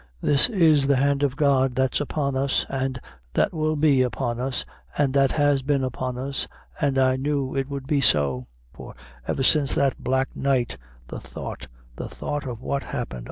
This is the hand of God that's upon us, an' that will be upon us, an' that has been upon us, an' I knew it would be so; for ever since that black night, the thought the thought of what happened!